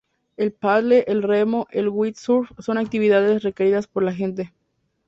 El paddle, el remo, el windsurf son actividades requeridas por la gente.